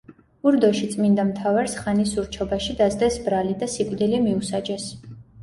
ურდოში წმინდა მთავარს ხანის ურჩობაში დასდეს ბრალი და სიკვდილი მიუსაჯეს.